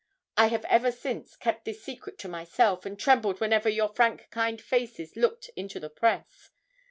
I have ever since kept this secret to myself, and trembled whenever your frank kind faces looked into the press.